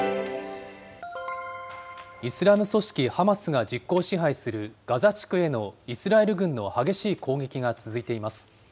イスラム組織ハマスが実効支配するガザ地区へのイスラエル軍の激しい攻撃が続いています。